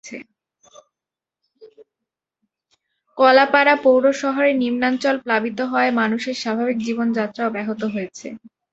কলাপাড়া পৌর শহরের নিম্নাঞ্চল প্লাবিত হওয়ায় মানুষের স্বাভাবিক জীবনযাত্রাও ব্যাহত হয়েছে।